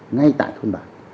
ngay tại thôn bản